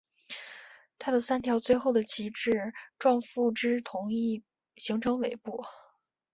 它的三条最后的旗帜状附肢一同形成尾部。